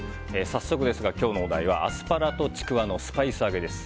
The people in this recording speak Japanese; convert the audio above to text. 早速ですが、今日のお題はアスパラとちくわのスパイス揚げ。